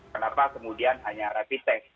kenapa kemudian hanya rapid test